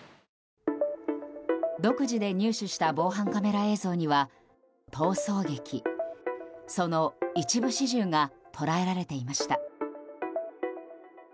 独自で入手した防犯カメラ映像には逃走劇、その一部始終が捉えられていました。